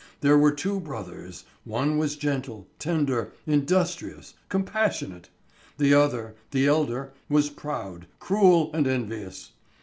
There were two brothers. One was gentle, tender, industrious, compassionate; the other, the elder, was proud, cruel, and envious.